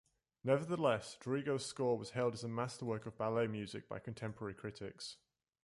Nevertheless, Drigo's score was hailed as a masterwork of ballet music by contemporary critics.